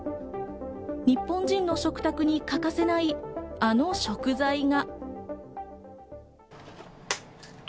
日本人の食卓に欠かせないあの食材が。